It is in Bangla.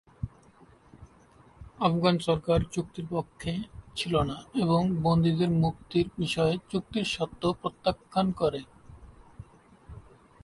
আফগান সরকার চুক্তির পক্ষে ছিল না এবং বন্দীদের মুক্তির বিষয়ে চুক্তির শর্ত প্রত্যাখ্যান করে।